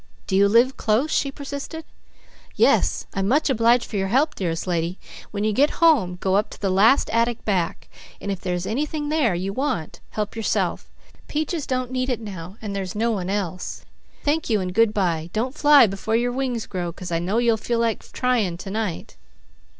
"Do you live close?" she persisted. "Yes! I'm much obliged for your help, dearest lady. When you get home, go up to the last attic back, and if there is anything there you want, help yourself. Peaches don't need it now, while there's no one else. Thank you, and good bye. Don't fly before your wings grow, 'cause I know you'll feel like trying to night."